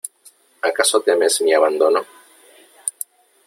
¿ acaso temes mi abandono ?